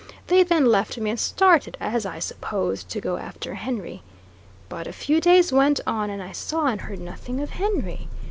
They then left me and started, as I supposed, to go after Henry. But a few days went on and I saw and heard nothing of Henry.